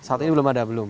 saat ini belum ada belum